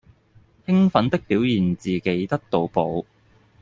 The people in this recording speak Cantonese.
與奮的表現自己得到寶